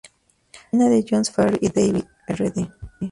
La esquina de Jones Ferry y Davie Rd.